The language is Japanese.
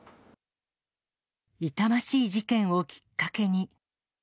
痛ましい事件をきっかけに。